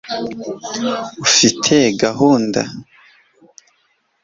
ufite gahunda